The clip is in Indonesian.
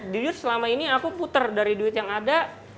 dulu selama ini aku puter dari duit yang ada